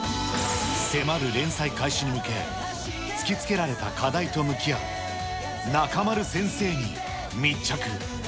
迫る連載開始に向け、突きつけられた課題と向き合う中丸先生に密着！